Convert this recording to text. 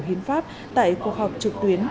hiến pháp tại cuộc họp trực tuyến